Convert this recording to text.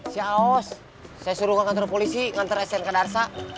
si aos saya suruh ke kantor polisi ngantar smk darsa